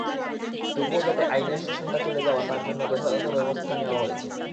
তবুও যাতে আইনের শাসনটা চলে তার জন্য যথাযথ ব্যবস্থা নেওয়া হয়েছে।